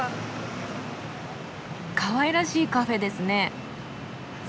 かわいらしいカフェですね。